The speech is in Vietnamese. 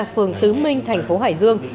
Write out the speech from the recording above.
phường tứ minh thành phố hải dương